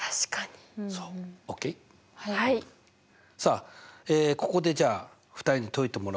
さあここでじゃあ２人に解いてもらおうと思うんだけども。